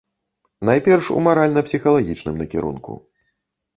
Найперш, у маральна-псіхалагічным накірунку.